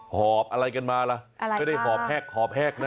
หอบอะไรกันมาล่ะอะไรไม่ได้หอบแฮกหอบแหกนะ